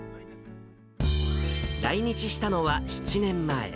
来日したのは７年前。